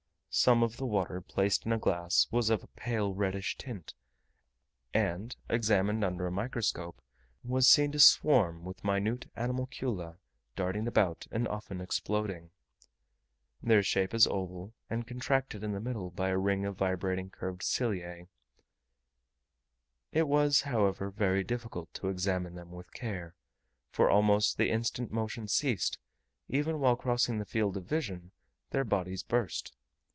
Some of the water placed in a glass was of a pale reddish tint; and, examined under a microscope, was seen to swarm with minute animalcula darting about, and often exploding. Their shape is oval, and contracted in the middle by a ring of vibrating curved ciliae. It was, however, very difficult to examine them with care, for almost the instant motion ceased, even while crossing the field of vision, their bodies burst.